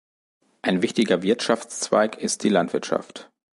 Ein wichtiger Wirtschaftszweig ist die Landwirtschaft.